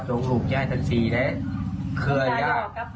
โดยความเทียดพระอาจารย์นางสมาธิซื้อว่าไงหลักฐานค่ะ